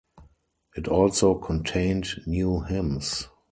It also contained new hymns.